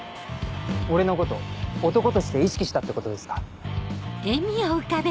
俺のこと男として意識したってことですか？